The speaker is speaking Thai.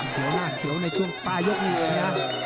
หัวหน้าเขียวในช่วงปลายกนี่เลยนะ